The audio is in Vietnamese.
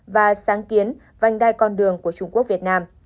và sáng kiến vành đai con đường của trung quốc việt nam